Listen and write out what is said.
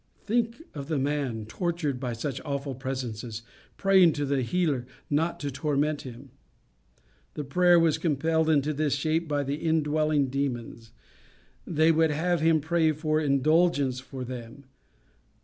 Think of the man, tortured by such awful presences, praying to the healer not to torment him! The prayer was compelled into this shape by the indwelling demons. They would have him pray for indulgence for them.